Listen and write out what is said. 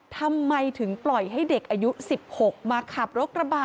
ทำไมถึงปล่อยให้เด็กอายุ๑๖มาขับรถกระบะ